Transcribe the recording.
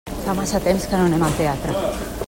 Fa massa temps que no anem al teatre.